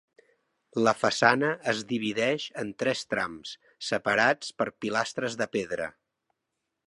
La façana es divideix en tres trams, separats per pilastres de pedra.